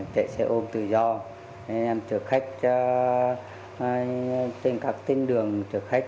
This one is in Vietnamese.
chạy xe ôm tự do em chở khách trên các tên đường chở khách